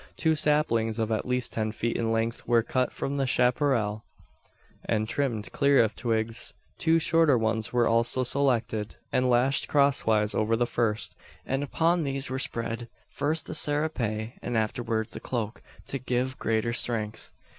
Two saplings of at least ten feet in length were cut from the chapparal, and trimmed clear of twigs. Two shorter ones were also selected, and lashed crosswise over the first; and upon these there spread, first the serape, and afterwards the cloak, to give greater strength.